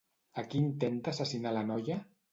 A qui intenta assassinar la noia?